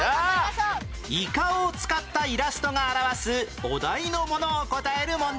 イカを使ったイラストが表すお題のものを答える問題